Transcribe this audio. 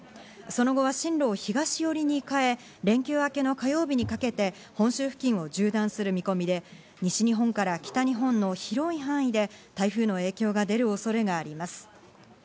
その後は進路を東寄りに変え、連休明けの火曜日にかけて本州付近を縦断する見込みで、西日本から北日本の広い範囲で台風の影響が出る恐れがあります。